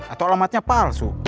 atau alamatnya palsu